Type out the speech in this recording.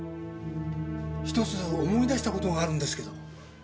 ひとつ思い出した事があるんですけど。